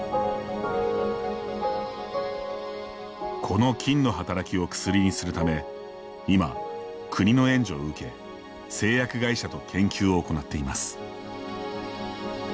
この菌の働きを薬にするため今、国の援助を受け製薬会社と研究を行っています。